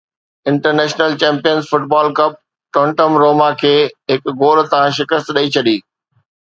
international champions football cup Tottenham Roma کي هڪ goal تان شڪست ڏئي ڇڏي